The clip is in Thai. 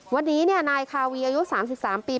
วันนี้นายคาวีอายุ๓๓ปี